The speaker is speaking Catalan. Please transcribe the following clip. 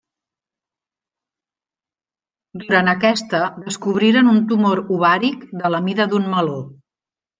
Durant aquesta descobriren un tumor ovàric de la mida d'un meló.